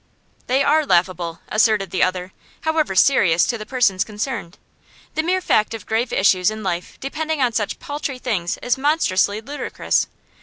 'They are laughable,' asserted the other, 'however serious to the persons concerned. The mere fact of grave issues in life depending on such paltry things is monstrously ludicrous.